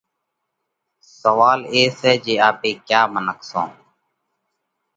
سوئال اي سئہ جي آپي ڪيا منک سون؟